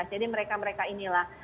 jadi mereka mereka inilah